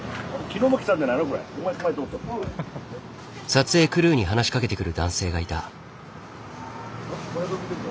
撮影クルーに話しかけてくる男性がいた。